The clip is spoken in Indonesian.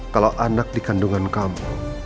kalau anak di kandungan kamu